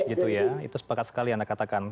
itu sepakat sekali anda katakan